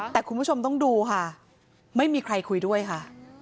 แต่คุณผู้ชมต้องดูค่ะไม่มีใครคุยด้วยค่ะ